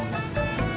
gak ada sih